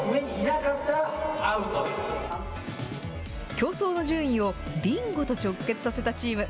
競争の順位をビンゴと直結させたチーム。